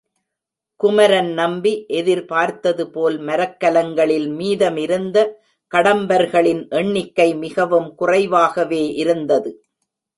குமரன் நம்பி எதிர்பார்த்தது போல் மரக்கலங்களில் மீதமிருந்த கடம்பர்களின் எண்ணிக்கை மிகவும் குறைவாகவே இருந்தது.